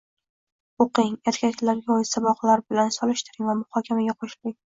O‘qing, erkaklarga oid saboqlar bilan solishtiring va muhokamaga qo‘shiling.